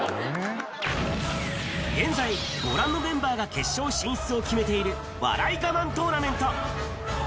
現在、ご覧のメンバーが決勝進出を決めている笑いガマントーナメント。